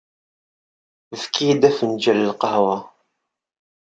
Efk-iyi-d afenǧal n lqahwa.